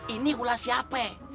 ini ulah siapa